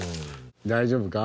大丈夫か？